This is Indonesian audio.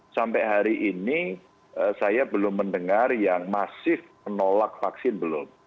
sampai hari ini saya belum mendengar yang masif menolak vaksin belum